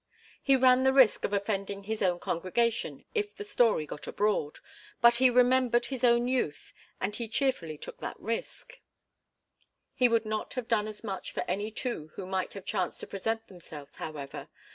He ran the risk of offending his own congregation if the story got abroad, but he remembered his own youth and he cheerfully took that risk. He would not have done as much for any two who might have chanced to present themselves, however.